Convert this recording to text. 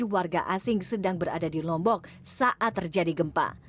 tiga belas tiga puluh tujuh warga asing sedang berada di lombok saat terjadi gempa